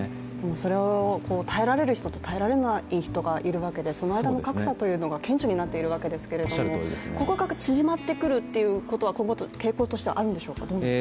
それを耐えられる人と耐えられない人がいるわけでその間の格差というものが顕著になっていると思うんですけどここが縮まってくるということは今後傾向としてあるんでしょうか？